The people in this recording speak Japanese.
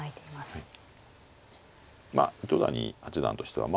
はい。